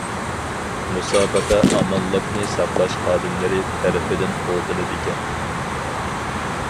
مۇسابىقە ئامانلىقنى ساقلاش خادىملىرى تەرىپىدىن قوغدىلىدىكەن.